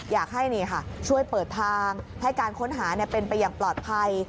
อยากให้ช่วยเปิดทางให้การค้นหาเป็นไปอย่างปลอดภัย